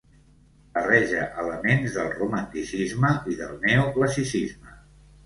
Barreja elements del romanticisme i del neoclassicisme.